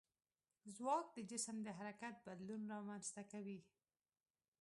ځواک د جسم د حرکت بدلون رامنځته کوي.